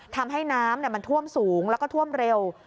ทำให้น้ามท่วมสูงและท่วมเร็ว